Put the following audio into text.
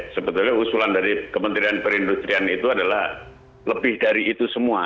sebetulnya usulan dari kementerian perindustrian itu adalah lebih dari itu semua